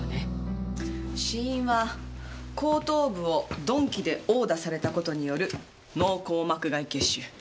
死因は後頭部を鈍器で殴打されたことによる脳硬膜外血腫。